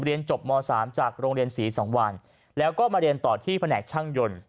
เรียนจบม๓จากโรงเรียนศรี๒วันแล้วก็มาเรียนต่อที่แผนกช่างยนต์